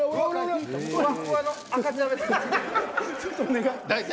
ちょっとお願い。